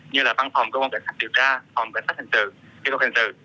như là văn phòng công an cảnh sát điều tra phòng cảnh sát hành trình